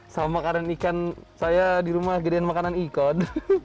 sama makanan ikan saya di rumah gedean makanan ikon